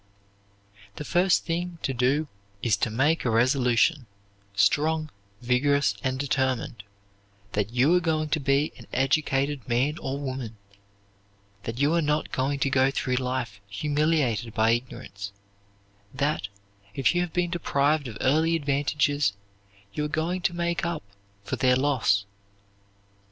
The first thing to do is to make a resolution, strong, vigorous, and determined, that you are going to be an educated man or woman; that you are not going to go through life humiliated by ignorance; that, if you have been deprived of early advantages, you are going to make up for their loss.